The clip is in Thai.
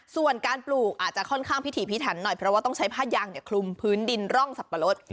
ส่วนการปลูกอาจจะค่อนข้างพิถีพิถันหน่อยเพราะว่าต้องใช้ผ้ายางคลุมพื้นดินร่องสับปะรด